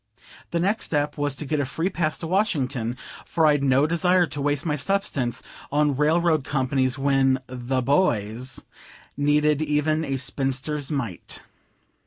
The next step was to get a free pass to Washington, for I'd no desire to waste my substance on railroad companies when "the boys" needed even a spinster's mite.